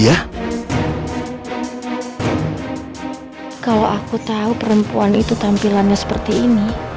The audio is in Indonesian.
tangkal baru bernama drama konflik itu